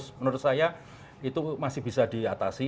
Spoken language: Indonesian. menurut saya itu masih bisa diatasi